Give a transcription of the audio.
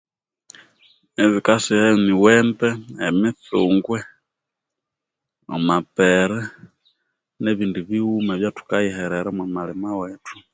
Ebikasiha emiwembe emitsungwe amapere ne bindi ebighuma ebya thukayiherera omwa malima wethu